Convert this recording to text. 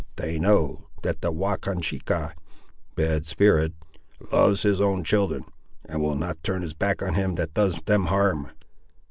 They know, that the Wahconshecheh (bad spirit) loves his own children, and will not turn his back on him that does them harm."